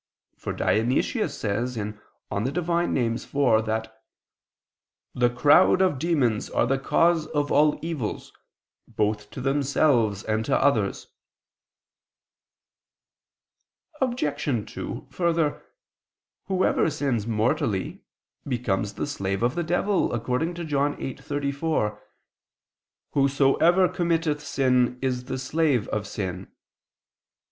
For Dionysius says (Div. Nom. iv) that the "crowd of demons are the cause of all evils, both to themselves and to others." Obj. 2: Further, whoever sins mortally, becomes the slave of the devil, according to John 8:34: "Whosoever committeth sin is the slave [Douay: 'servant'] of sin."